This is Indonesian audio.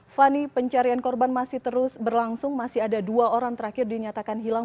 fani pencarian korban masih terus berlangsung masih ada dua orang terakhir dinyatakan hilang